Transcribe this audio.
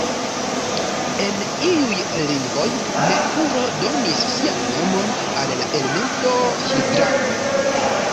En iuj lingvoj, Merkuro donis sian nomon al la elemento hidrargo.